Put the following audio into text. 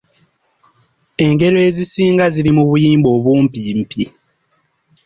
Engero ezisinga zirimu obuyimba obumpimpi.